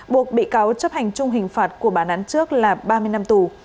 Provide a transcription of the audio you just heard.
buộc bị cáo chấp hành chung hình phạt của bản án trước là ba mươi năm tù